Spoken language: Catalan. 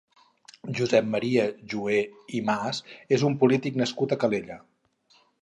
Josep Maria Juhé i Mas és un polític nascut a Calella.